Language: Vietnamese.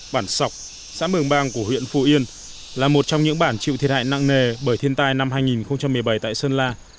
bản sọc xã mường bang của huyện phù yên là một trong những bản chịu thiệt hại nặng nề bởi thiên tai năm hai nghìn một mươi bảy tại sơn la